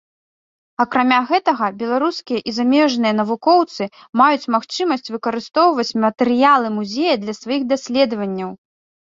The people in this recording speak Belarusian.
Акрамя гэтага, беларускія і замежныя навукоўцы маюць магчымасць выкарыстоўваць матэрыялы музея для сваіх даследаванняў.